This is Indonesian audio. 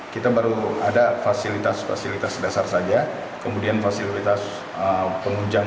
kita baru ada fasilitas fasilitas dasar saja kemudian fasilitas pengunjung